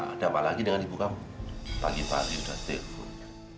ada apa lagi dengan ibu kamu pagi pagi sudah telepon